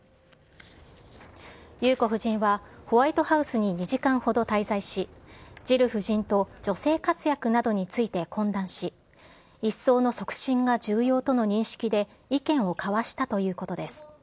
裕子夫人は、ホワイトハウスに２時間ほど滞在し、ジル夫人と女性活躍などについて懇談し、一層の促進が重要との認識で意見を交わしたということです。